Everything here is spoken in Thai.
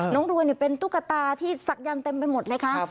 น้องรวยเป็นตุ๊กตาที่สักยานเต็มไปหมดเลยครับ